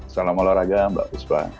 salam olahraga mbak usman